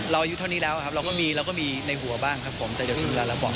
เราอายุเท่านี้แล้วครับเราก็มีในหัวบ้างครับผมแต่เดี๋ยวถึงเวลาเราบอกครับ